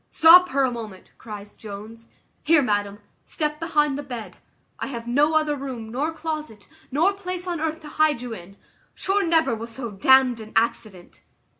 "Stop her a moment," cries Jones "Here, madam, step behind the bed, I have no other room nor closet, nor place on earth to hide you in; sure never was so damned an accident."